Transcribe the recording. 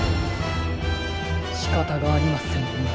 しかたがありませんね。